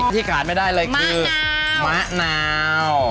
ที่ขาดไม่ได้เลยคือมะนาว